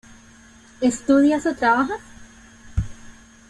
¿Estudias o trabajas?